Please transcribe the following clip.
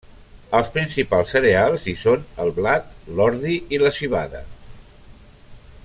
Els principals cereals hi són el blat, l'ordi i la civada.